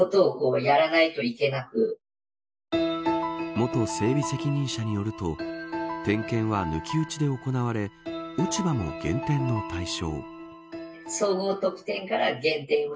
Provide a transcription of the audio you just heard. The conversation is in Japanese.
元整備責任者によると点検は抜き打ちで行われ落ち葉も減点の対象。